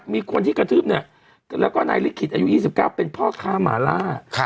มีคนที่กระทืบเนี่ยแล้วก็นายลิขิตอายุ๒๙เป็นพ่อค้าหมาล่า